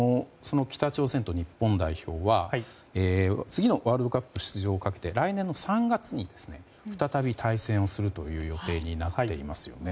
北朝鮮と日本代表は次のワールドカップ出場をかけて来年の３月に再び対戦をするという予定になっていますね。